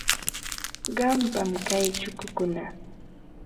Qampam kay chukukuna.